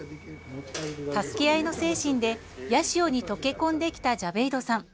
助け合いの精神で八潮に溶け込んできたジャベイドさん。